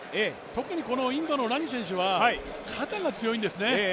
特にこのインドのラニ選手は肩が強いんですね。